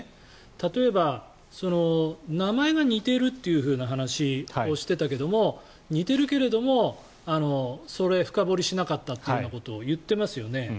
例えば、名前が似ているって話をしていたけれども似ているけれどもそれを深掘りしなかったというようなことを言っていますよね。